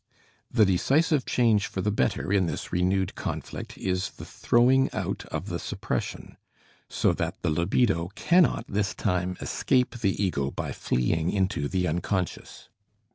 The decisive change for the better in this renewed conflict is the throwing out of the suppression, so that the libido cannot this time again escape the ego by fleeing into the unconscious.